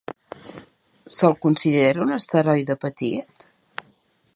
Se'l considera un asteroide petit?